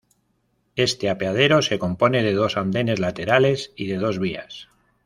Este apeadero, se compone de dos andenes laterales y de dos vías.